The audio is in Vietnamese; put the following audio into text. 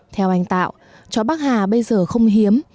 theo anh tạo chó bắc hà bây giờ không hiếm